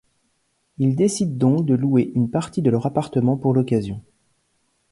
Ils décident donc de louer une partie de leur appartement pour l'occasion.